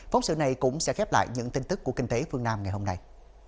phóng sự này cũng sẽ khép lại những tin tức của kinh tế phương nam ngày hôm nay